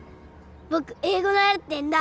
僕英語習ってんだ。